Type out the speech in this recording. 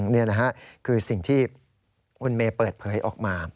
นี่นะฮะคือสิ่งที่คุณเมย์เปิดเผยออกมา